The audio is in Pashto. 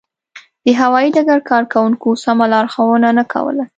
د هوایي ډګر کارکوونکو سمه لارښوونه نه کوله.